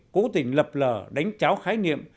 cố tình lập lờ đánh cháo khái niệm